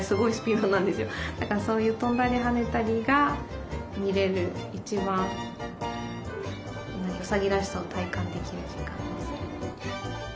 だからそういう跳んだりはねたりが見れる一番うさぎらしさを体感できる時間です。